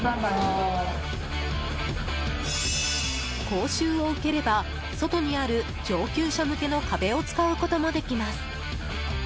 講習を受ければ外にある上級者向けの壁を使うこともできます。